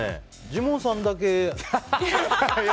ジモンさんだけ。